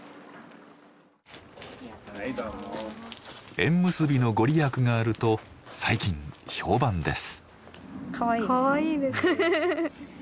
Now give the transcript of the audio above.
縁結びの御利益があると最近評判です。